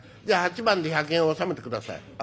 じゃあ８番で１００円納めてください」。